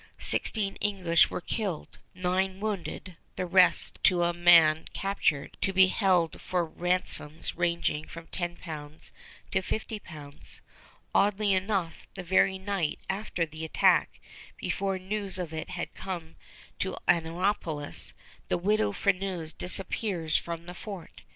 Sixteen English were killed, nine wounded, the rest to a man captured, to be held for ransoms ranging from 10 pounds to 50 pounds. Oddly enough, the very night after the attack, before news of it had come to Annapolis, the Widow Freneuse disappears from the fort.